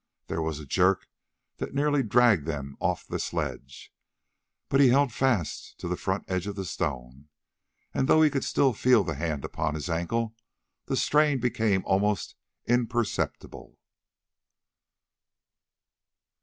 There was a jerk that nearly dragged them off their sledge, but he held fast to the front edge of the stone, and though he could still feel the hand upon his ankle, the strain became almost imperceptible.